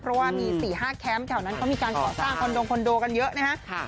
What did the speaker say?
เพราะว่ามี๔๕แคมป์แถวนั้นก็มีการก่อสร้างคอนโดกันเยอะนะครับ